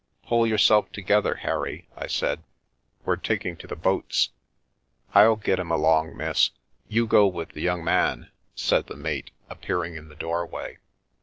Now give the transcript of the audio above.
"Pull yourself together, Harry!" I said. "We're taking to the boats." " I'll get him along, miss. You go with the young man," said the mate, appearing in the doorway.